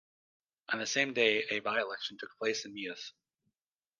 On the same day, a by-election took place in Meath.